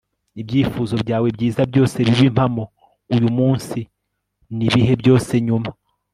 ibyifuzo byawe byiza byose bibe impamo, uyumunsi nibihe byose nyuma